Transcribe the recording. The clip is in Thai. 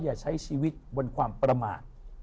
อย่าใช้ชีวิตบนความประมาท